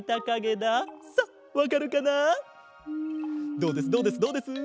どうですどうですどうです？